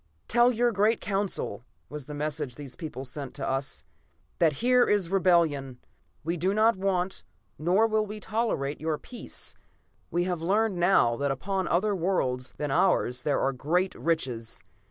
"'Tell your great Council,' was the message these people sent to us, 'that here is rebellion. We do not want, nor will we tolerate, your peace. We have learned now that upon other worlds than ours there are great riches.